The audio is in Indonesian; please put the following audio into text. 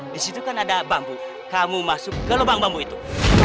disitu kan ada bambu kamu masuk ke lubang lubang itu